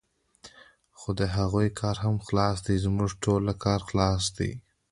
خو د هغوی کار هم خلاص دی، زموږ ټولو کار خلاص دی.